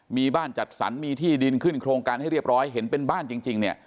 มีบ้านจัดสรรมีที่ดินขึ้นโครงการให้เรียบร้อยเห็นเป็นบ้านจริงเนี่ย